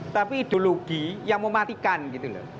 tapi ideologi yang mematikan gitu loh